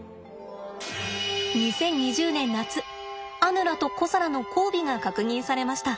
２０２０年夏アヌラとコサラの交尾が確認されました。